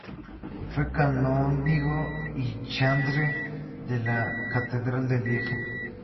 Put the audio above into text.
Fue canónigo y chantre de la catedral de Lieja.